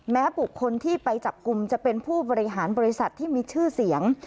บุคคลที่ไปจับกลุ่มจะเป็นผู้บริหารบริษัทที่มีชื่อเสียง